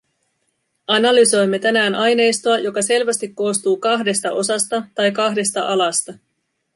Analysoimme tänään aineistoa, joka selvästi koostuu kahdesta osasta tai kahdesta alasta.